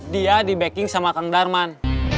dia di backing sama kang darman